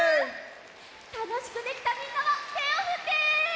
たのしくできたみんなはてをふって！